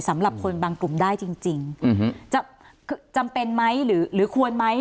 สำหรับคนบางกลุ่มได้จริงจะจำเป็นไหมหรือควรไหม